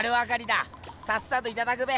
さっさといただくべ！